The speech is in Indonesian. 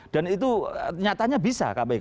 dan itu nyatanya bisa kpk